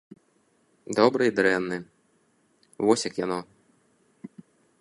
Добры і дрэнны, вось як яно.